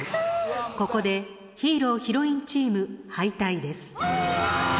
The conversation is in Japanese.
ここでヒーローヒロインチーム敗退です。